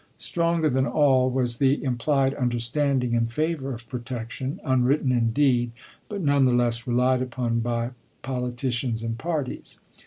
Stronger than all was the implied understanding in favor of protec tion— unwritten indeed, but none the less relied upon by politicians and parties.